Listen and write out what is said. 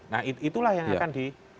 nah itulah yang akan di